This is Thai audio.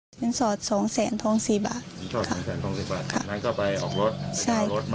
สนสดสองแสนทองสี่บาท